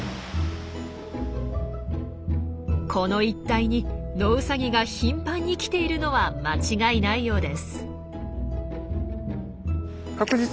この一帯にノウサギが頻繁に来ているのは間違いないようです。